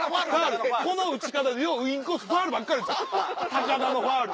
この打ち方でようインコースファウルばっかり打つ高田のファウル。